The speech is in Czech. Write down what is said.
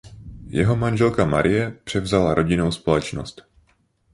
Jeho manželka Marie převzala rodinnou společnost.